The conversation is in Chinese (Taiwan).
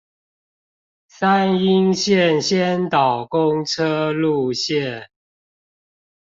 三鶯線先導公車路線